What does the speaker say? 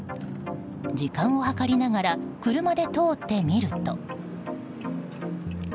時間を計りながら車で通ってみると。